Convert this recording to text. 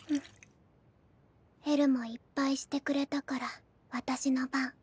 えるもいっぱいしてくれたから私の番。